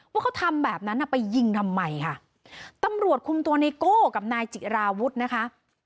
ว่าเขาทำแบบนั้นอ่ะไปยิงทำไมค่ะตำรวจคุมตัวไนโก้กับนายจิราวุฒินะคะ